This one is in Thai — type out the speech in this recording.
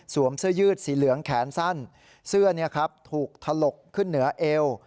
เสื้อยืดสีเหลืองแขนสั้นเสื้อถูกถลกขึ้นเหนือเอว